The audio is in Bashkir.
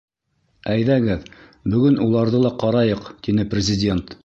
Әйҙәгеҙ, бөгөн уларҙы ла ҡарайыҡ, — тине Президент.